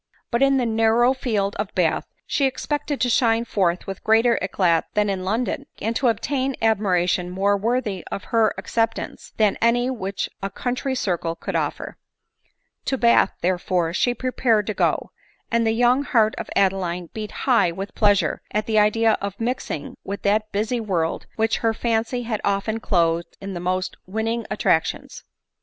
But in the narrower field of Bath she expected to shine forth with greater eclat than in London, and to obtain admira tion more worthy of her acceptance than any which a country circle could offer To Bath, therefore, she prepared to go ; and the young heart of Adeline beat high with pleasure at the idea of mixing \yith that busy world which her fancy had often clothed in the most winning attractions.